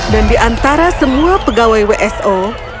dan di antara semua pegawai wso